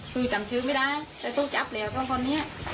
คือจำชื่อไม่ได้แต่ต้องจับแล้วก็คนเนี้ย